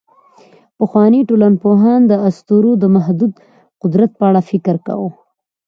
پخواني ټولنپوهان د اسطورو د محدود قدرت په اړه فکر کاوه.